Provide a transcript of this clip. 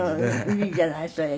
いいじゃないそれね。